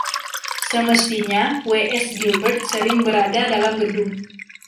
Semestinya W. S. Gilbert sering berada dalam gedung.